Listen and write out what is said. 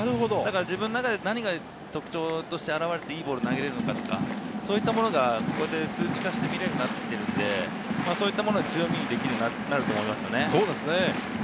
自分の中で何が特徴としていいボールが投げられるのか数値化して見られるようになっているので、そういったものが強みにできるようになると思いますね。